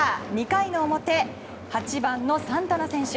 ２回の表８番のサンタナ選手。